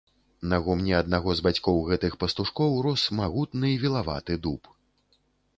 На гумне аднаго з бацькоў гэтых пастушкоў рос магутны вілаваты дуб.